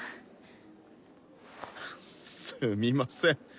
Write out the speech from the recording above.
すみません。